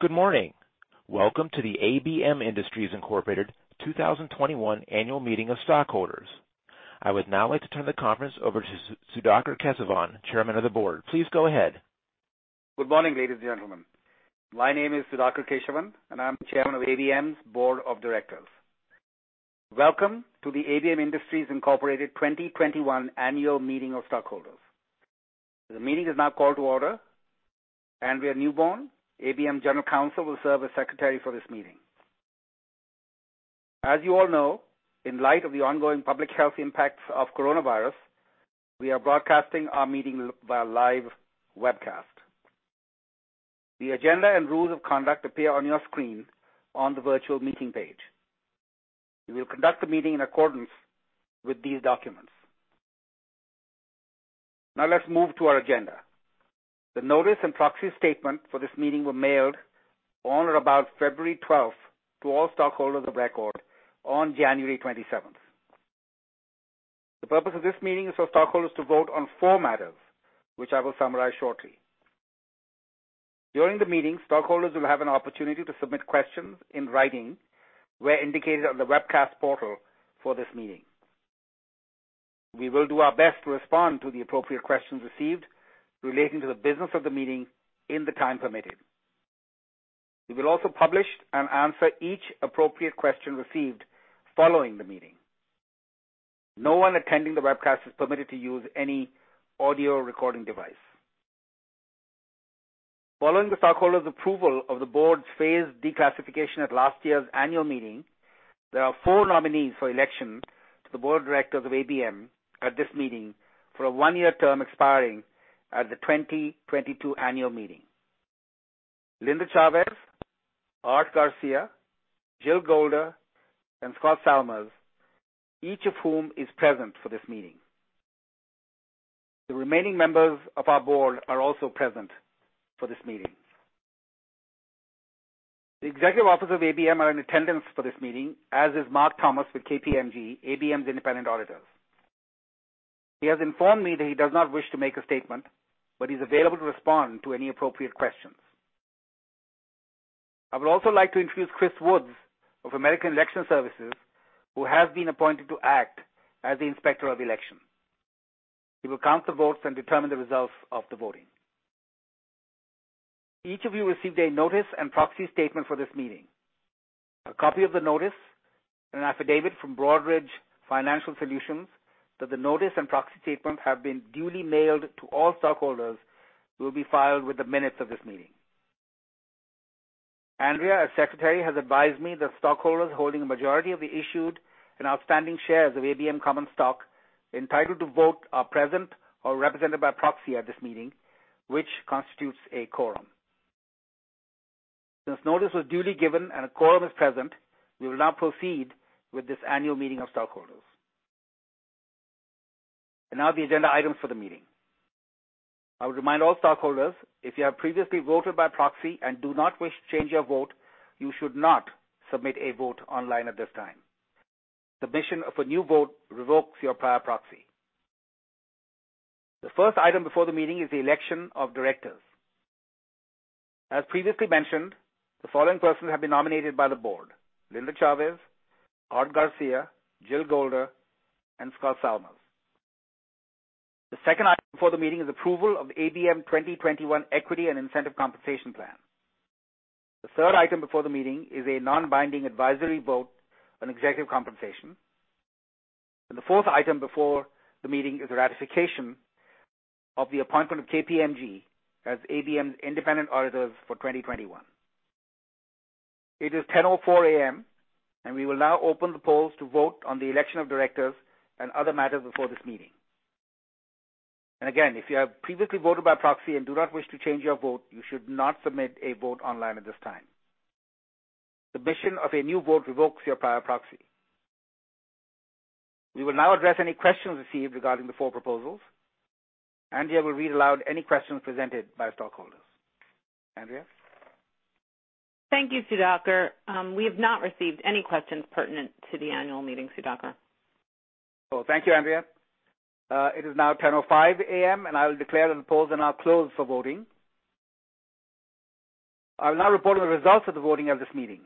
Good morning. Welcome to the ABM Industries Incorporated 2021 Annual Meeting of Stockholders. I would now like to turn the conference over to Sudhakar Kesavan, Chairman of the Board. Please go ahead. Good morning, ladies and gentlemen. My name is Sudhakar Kesavan, and I'm Chairman of ABM's Board of Directors. Welcome to the ABM Industries Incorporated 2021 Annual Meeting of Stockholders. The meeting is now called to order. Andrea Newborn, ABM General Counsel, will serve as Secretary for this meeting. As you all know, in light of the ongoing public health impacts of coronavirus, we are broadcasting our meeting via live webcast. The agenda and rules of conduct appear on your screen on the virtual meeting page. We will conduct the meeting in accordance with these documents. Let's move to our agenda. The notice and proxy statement for this meeting were mailed on or about February 12th to all stockholders of record on January 27th. The purpose of this meeting is for stockholders to vote on four matters, which I will summarize shortly. During the meeting, stockholders will have an opportunity to submit questions in writing where indicated on the webcast portal for this meeting. We will do our best to respond to the appropriate questions received relating to the business of the meeting in the time permitted. We will also publish and answer each appropriate question received following the meeting. No one attending the webcast is permitted to use any audio recording device. Following the stockholders' approval of the board's phased declassification at last year's annual meeting, there are four nominees for election to the Board of Directors of ABM at this meeting for a one-year term expiring at the 2022 annual meeting. Linda Chavez, Art Garcia, Jill Golder, and Scott Salmirs, each of whom is present for this meeting. The remaining members of our board are also present for this meeting. The executive officers of ABM are in attendance for this meeting, as is Mark Thomas with KPMG, ABM's independent auditors. He has informed me that he does not wish to make a statement, but he's available to respond to any appropriate questions. I would also like to introduce Chris Woods of American Election Services, who has been appointed to act as the Inspector of Election. He will count the votes and determine the results of the voting. Each of you received a notice and proxy statement for this meeting. A copy of the notice and an affidavit from Broadridge Financial Solutions that the notice and proxy statement have been duly mailed to all stockholders will be filed with the minutes of this meeting. Andrea, as Secretary, has advised me that stockholders holding a majority of the issued and outstanding shares of ABM common stock entitled to vote are present or represented by proxy at this meeting, which constitutes a quorum. Since notice was duly given and a quorum is present, we will now proceed with this annual meeting of stockholders. Now the agenda items for the meeting. I would remind all stockholders, if you have previously voted by proxy and do not wish to change your vote, you should not submit a vote online at this time. Submission of a new vote revokes your prior proxy. The first item before the meeting is the election of directors. As previously mentioned, the following persons have been nominated by the board: Linda Chavez, Art Garcia, Jill Golder, and Scott Salmirs. The second item before the meeting is approval of the ABM 2021 Equity and Incentive Compensation Plan. The third item before the meeting is a non-binding advisory vote on executive compensation. The fourth item before the meeting is ratification of the appointment of KPMG as ABM's independent auditors for 2021. It is 10:04 A.M., and we will now open the polls to vote on the election of directors and other matters before this meeting. Again, if you have previously voted by proxy and do not wish to change your vote, you should not submit a vote online at this time. Submission of a new vote revokes your prior proxy. We will now address any questions received regarding the four proposals. Andrea will read aloud any questions presented by stockholders. Andrea? Thank you, Sudhakar. We have not received any questions pertinent to the annual meeting, Sudhakar. Well, thank you, Andrea. It is now 10:05 A.M., and I will declare that the polls are now closed for voting. I will now report on the results of the voting of this meeting.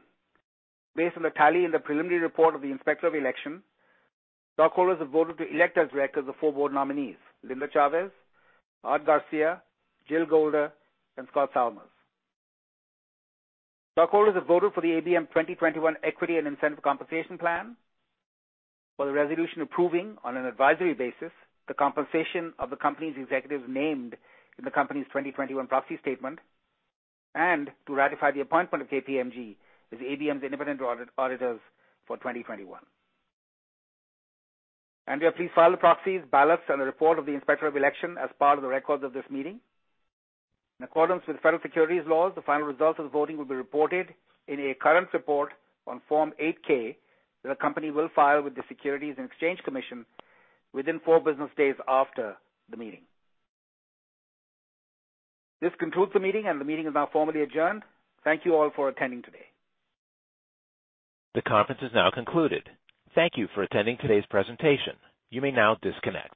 Based on the tally in the preliminary report of the Inspector of Election, stockholders have voted to elect as directors the four board nominees, Linda Chavez, Art Garcia, Jill Golder, and Scott Salmirs. Stockholders have voted for the ABM 2021 Equity and Incentive Compensation Plan, for the resolution approving, on an advisory basis, the compensation of the company's executives named in the company's 2021 proxy statement, and to ratify the appointment of KPMG as ABM's independent auditors for 2021. Andrea, please file the proxies, ballots, and the report of the Inspector of Election as part of the records of this meeting. In accordance with federal securities laws, the final results of the voting will be reported in a current report on Form 8-K that the company will file with the Securities and Exchange Commission within four business days after the meeting. This concludes the meeting, and the meeting is now formally adjourned. Thank you all for attending today. The conference is now concluded. Thank you for attending today's presentation. You may now disconnect.